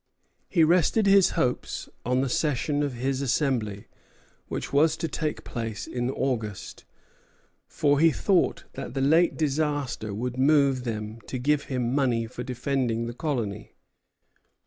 He rested his hopes on the session of his Assembly, which was to take place in August; for he thought that the late disaster would move them to give him money for defending the colony.